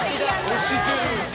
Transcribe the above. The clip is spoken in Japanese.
推してる。